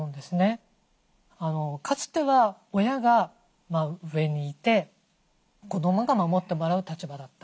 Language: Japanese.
かつては親が上にいて子どもが守ってもらう立場だった。